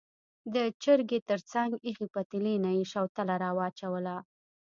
د چرګۍ تر څنګ ایښې پتیلې نه یې شوتله راواچوله.